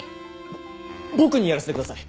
ぼ僕にやらせてください！